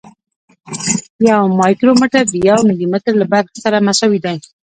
یو مایکرومتر د یو ملي متر له برخې سره مساوي دی.